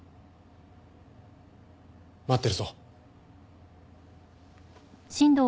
待ってるぞ。